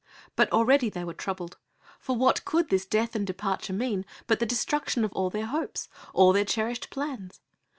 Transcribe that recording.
But already they were troubled, for what could this death and departure mean but the destruction of all their hopes, of all their cherished plans?